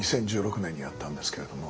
２０１６年にやったんですけれども。